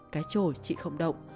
cái trổ chị không động